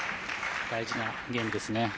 大事なゲームですね。